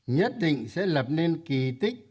nhất định sẽ lập nên kỳ tích